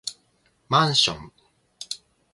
マンション